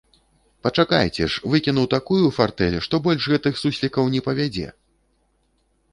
Пачакайце ж, выкіну такую фартэль, што больш гэтых суслікаў не павядзе!